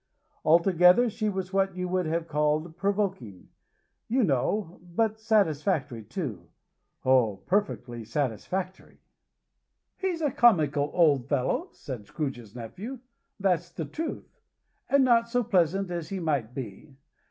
Altogether she was what you would have called provoking, you know; but satisfactory, too. Oh, perfectly satisfactory. "He's a comical old fellow," said Scrooge's nephew, "that's the truth: and not so pleasant as he might be.